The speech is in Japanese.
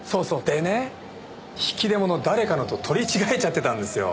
でね引き出物を誰かのと取り違えちゃってたんですよ。